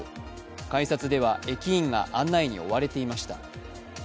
改札では駅員が案内に追われていました。